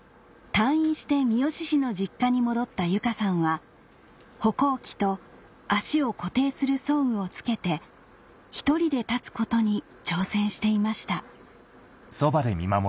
退院して三次市の実家に戻った由佳さんは歩行器と足を固定する装具を着けて１人で立つことに挑戦していました